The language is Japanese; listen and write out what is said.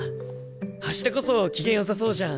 橋田こそ機嫌よさそうじゃん。